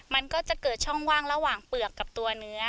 มันก็จะเกิดช่องว่างระหว่างเปลือกกับตัวเนื้อ